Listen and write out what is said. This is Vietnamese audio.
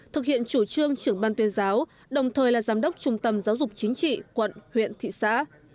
thực hiện chủ trương trưởng ban tuyên giáo đồng thời là giám đốc trung tâm giáo dục chính trị quận huyện thị xã